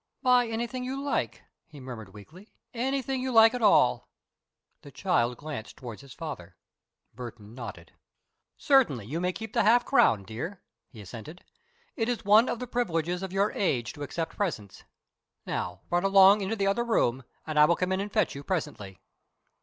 "Buy anything you like," he murmured weakly, "anything you like at all." The child glanced towards his father. Burton nodded. "Certainly you may keep the half crown, dear," he assented. "It is one of the privileges of your age to accept presents. Now run along into the other room, and I will come in and fetch you presently."